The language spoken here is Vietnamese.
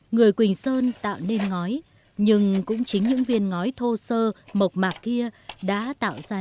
người quỳnh sơn tạo nên ngói nhưng cũng chính những viên ngói thô sơ mộc mạc kia đã tạo ra